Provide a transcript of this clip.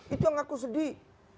itu yang aku sedih